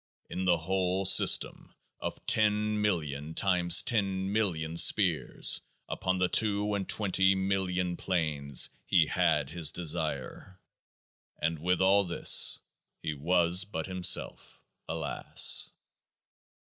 In the whole system of ten million times ten million spheres upon the two and twenty million planes he had his desire. And with all this he was but himself. Alas